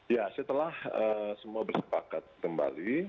ya setelah semua bersepakat kembali